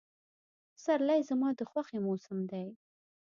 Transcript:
پسرلی زما د خوښې موسم دی.